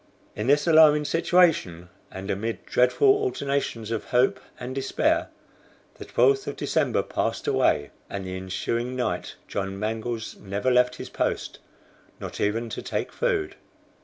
In this alarming situation and amid dreadful alternations of hope and despair, the 12th of December passed away, and the ensuing night, John Mangles never left his post, not even to take food.